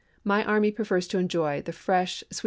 My army prefers to enjoy the fresh sweet n>id.